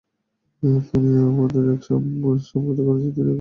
তিনি আমাদের এক করেছেন, এবং তিনিই আমাদের একসাথে রাখবেন।